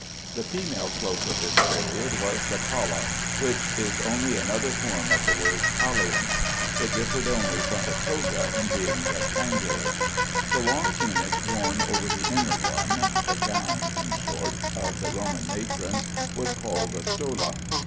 The female cloak of this period was the palla, which is only another form of the word pallium. It differed only from the toga in being rectangular. The long tunic worn over the inner one (the gown in short) of the Roman matrons was called a "stola."